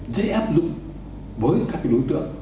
dễ áp dụng với các đối tượng